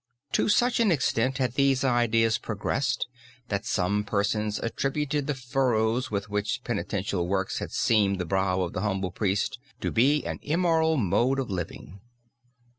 To such an extent had these ideas progressed that some persons attributed the furrows with which penitential works had seamed the brow of the humble priest to an immoral mode living.